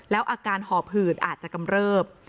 แล้วอาการห่อผื่นอาจจะกำเริบ